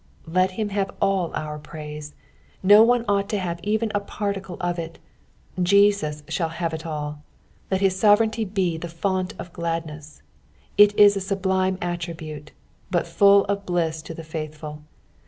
Let him have all our praise ; no one ought to have even a par ticle of it. Jesua shall have it all. Let his sovereignty be the fount of gladnesu. It is a sublime attribute, but full of bliss to the faithful.